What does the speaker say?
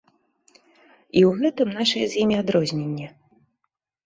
І ў гэтым нашае з імі адрозненне.